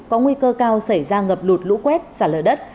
có nguy cơ cao xảy ra ngập lụt lũ quét xả lở đất